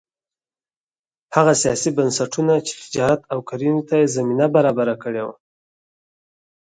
هغه سیاسي بنسټونه چې تجارت او کرنې ته زمینه برابره کړې وه